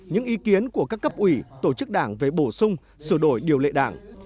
những ý kiến của các cấp ủy tổ chức đảng về bổ sung sửa đổi điều lệ đảng